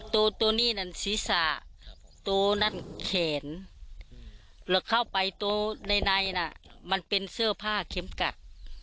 ตัวนี้นั่นศีรษะตัวนั้นแขนแล้วเข้าไปตัวในน่ะมันเป็นเสื้อผ้าเข็มกัด